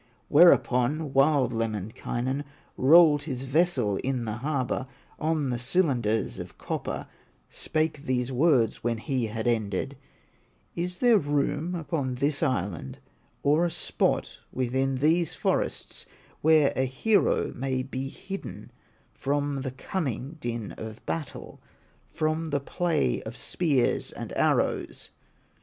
Thereupon wild Lemminkainen Rolled his vessel in the harbor, On the cylinders of copper, Spake these words when he had ended: "Is there room upon this island, Or a spot within these forests, Where a hero may be hidden From the coming din of battle, From the play of spears and arrows?"